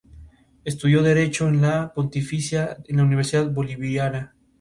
Fue protagonizada por Alec Baldwin, Demi Moore, Viva Bianca, Dylan McDermott y James McCaffrey.